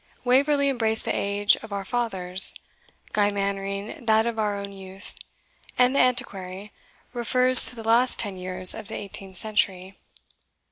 Waverley embraced the age of our fathers, Guy Mannering that of our own youth, and the Antiquary refers to the last ten years of the eighteenth century.